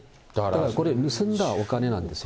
だからこれ、盗んだお金なんですよ。